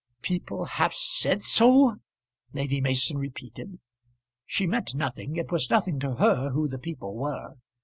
"People have said so!" Lady Mason repeated. She meant nothing; it was nothing to her who the people were.